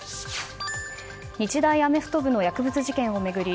日大アメフト部の薬物事件を巡り